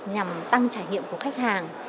nhằm tăng trải nghiệm của khách hàng